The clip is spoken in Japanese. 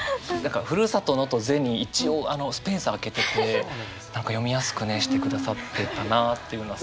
「ふるさとの」と「ｔｈｅｙ」に一応スペース空けてて何か読みやすくねしてくださってたなというのは。